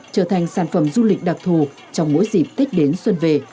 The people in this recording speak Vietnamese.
trở thành sản phẩm du lịch đặc thù trong mỗi dịp tết đến xuân về